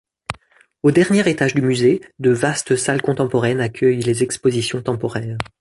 Au dernier étage du musée, de vastes salles contemporaines accueillent les expositions temporaires.